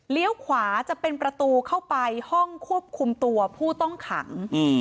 ขวาจะเป็นประตูเข้าไปห้องควบคุมตัวผู้ต้องขัง